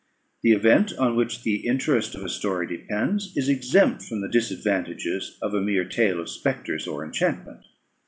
The event on which the interest of the story depends is exempt from the disadvantages of a mere tale of spectres or enchantment.